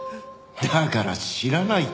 だから知らないって。